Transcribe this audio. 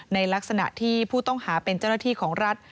ในลักษณะที่ผู้ต้องหาเป็นเจ้าหน้าที่ของรัฐ